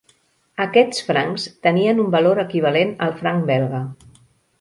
Aquests francs tenien un valor equivalent al franc belga.